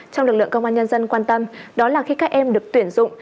trong lực lượng công an nhân dân quan tâm đó là khi các em được tuyển dụng